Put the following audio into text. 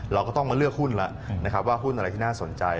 เราก็ต้องมาเลือกหุ้นแล้วนะครับว่าหุ้นอะไรที่น่าสนใจ